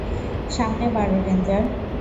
সামনে বাড়ো, রেঞ্জার!